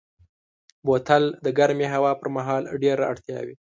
بوتل د ګرمې هوا پر مهال ډېره اړتیا وي.